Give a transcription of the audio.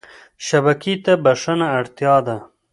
شبکې ته بښنه اړتیا ده.